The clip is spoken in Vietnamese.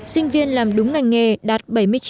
sinh viên làm đúng ngành nghề đạt bảy mươi chín bảy mươi năm